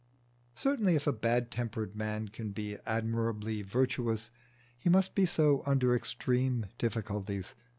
Certainly if a bad tempered man can be admirably virtuous, he must be so under extreme difficulties.